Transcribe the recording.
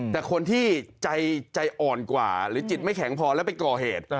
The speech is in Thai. แต่คนที่ใจอ่อนกว่าหรือจิตไม่แข็งพอแล้วไปก่อเหตุ